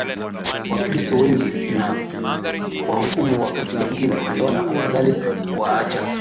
Wakristo wengi na kuwahukumu Wakati mwingine waliona afadhali kuwaacha